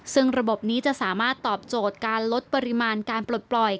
ซึ่งระบบนี้จะสามารถตอบโจทย์การลดปริมาณการปลดปล่อย